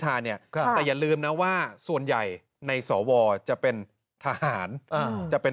แต่อย่าลืมนะว่าส่วนใหญ่ในสวจะเป็นทหารจะเป็น